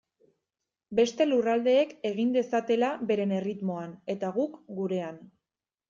Beste lurraldeek egin dezatela beren erritmoan eta guk gurean.